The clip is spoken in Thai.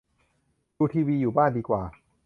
ดูทีวีอยู่บ้านดีกว่า